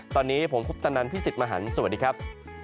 ตอนนี้ผมคุปตนันพี่สิทธิ์มหันฯสวัสดีครับ